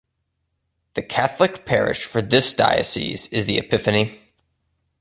The cathedral parish for this diocese is the Epiphany.